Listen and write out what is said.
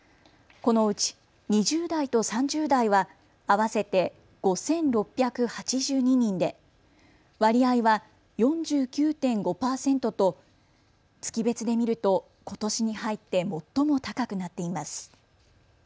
このうち２０代と３０代は合わせて５６８２人で割合は４９．５％と月別で見ると、ことしに入って最も高くなっています。